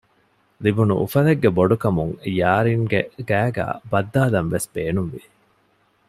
ލިބުނު އުފަލެއްގެ ބޮޑުކަމުން ޔާރިންގެ ގައިގައި ބައްދާލަންވެސް ބޭނުންވި